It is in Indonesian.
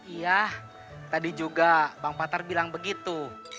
iya tadi juga bang patar bilang begitu